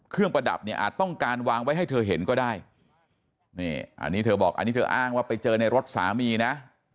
ประดับเนี่ยอาจต้องการวางไว้ให้เธอเห็นก็ได้นี่อันนี้เธอบอกอันนี้เธออ้างว่าไปเจอในรถสามีนะ